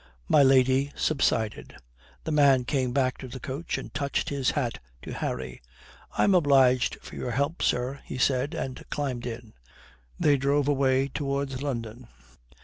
My lady subsided. The man came back to the coach and touched his hat to Harry. "I'm obliged for your help, sir," he said, and climbed in. They drove away towards London.